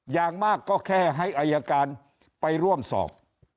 อย่างมากก็แค่ให้อายการไปร่วมสอบ